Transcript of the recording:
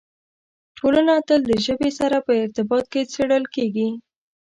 ټولنه تل د ژبې سره په ارتباط کې څېړل کېږي.